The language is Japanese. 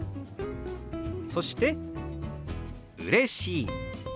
そして「うれしい」。